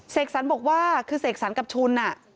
สรรบอกว่าคือเสกสรรกับชุน